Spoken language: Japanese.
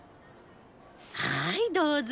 はいどうぞ。